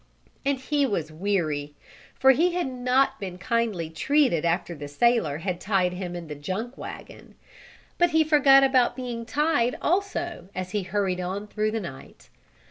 And he was weary, for he had not been kindly treated after the sailor had tied him in the junk wagon. But he forgot about being tied, also as he hurried on through the night.